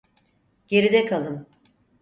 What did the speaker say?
Geride kalın.